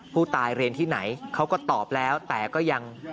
ผู้ตายเรียนที่ไหนเขาก็ตอบแล้วแต่ก็ยัง